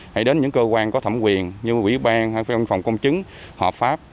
hãy đến những cơ quan có thẩm quyền như quỹ ban phòng công chứng hợp pháp